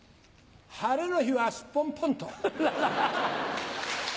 晴れの日はスッポンポンと。